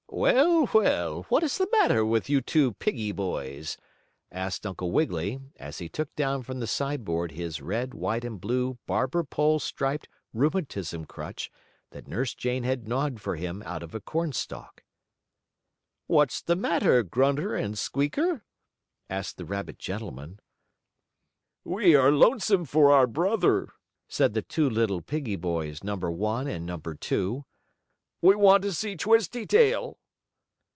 "Well, well! What is the matter with you two piggie boys?" asked Uncle Wiggily, as he took down from the sideboard his red, white and blue barber pole striped rheumatism crutch that Nurse Jane had gnawed for him out of a cornstalk. "What's the trouble, Grunter and Squeaker?" asked the rabbit gentleman. "We are lonesome for our brother," said the two little piggie boys No. 1 and No. 2. "We want to see Twisty Tail."